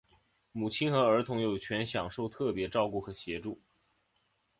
母亲和儿童有权享受特别照顾和协助。